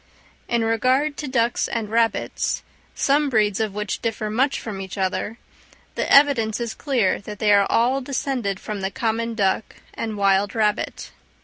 In regard to ducks and rabbits, some breeds of which differ much from each other, the evidence is clear that they are all descended from the common duck and wild rabbit.